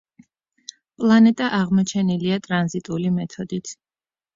პლანეტა აღმოჩენილია ტრანზიტული მეთოდით.